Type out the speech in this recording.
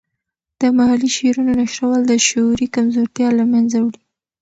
د محلي شعرونو نشرول د شعوري کمزورتیا له منځه وړي.